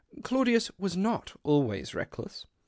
Claudius was not always reckless.